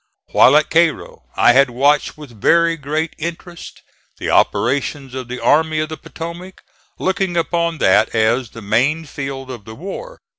While at Cairo I had watched with very great interest the operations of the Army of the Potomac, looking upon that as the main field of the war.